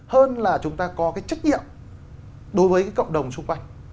hơn là chúng ta có cái trách nhiệm đối với cộng đồng xung quanh